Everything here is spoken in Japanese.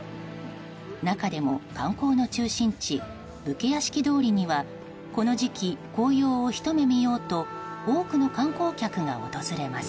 中でも観光の中心地武家屋敷通りにはこの時期、紅葉をひと目見ようと多くの観光客が訪れます。